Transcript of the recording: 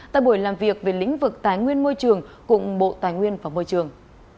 tại buổi làm việc về lĩnh vực tài nguyên môi trường cùng bộ tài nguyên và môi trường